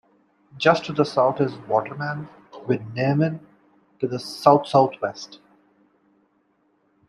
Just to the south is Waterman, with Neujmin to the south-southwest.